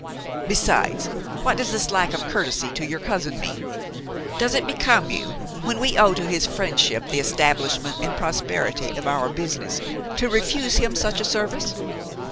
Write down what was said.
Besides, what does this lack of courtesy to your cousin mean? Does it become you, when we owe to his friendship the establishment and prosperity of our business, to refuse him such a service?